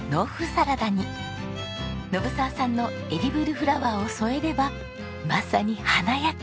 信澤さんのエディブルフラワーを添えればまさに華やか！